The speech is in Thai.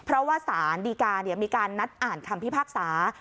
เพราะว่าสารดีกามีการนัดอ่านคำพิพากษา